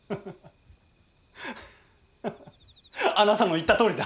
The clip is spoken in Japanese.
あなたの言ったとおりだ！